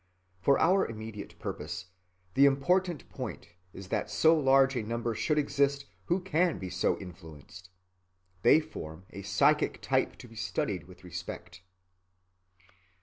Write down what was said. For our immediate purpose, the important point is that so large a number should exist who can be so influenced. They form a psychic type to be studied with respect.